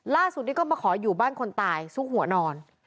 ล่าสุดนี้ก็มาขออยู่บ้านคนตายซุกหัวนอน